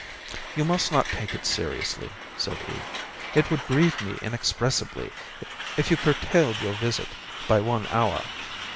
"You must not take it seriously," said he. "It would grieve me inexpressibly if you curtailed your visit by one hour.